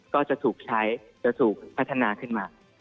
ก็จะถูกใช้จะถูกพัฒนาขึ้นมา